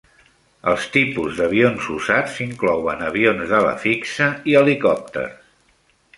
Els tipus d'avions usats inclouen avions d'ala fixa i helicòpters.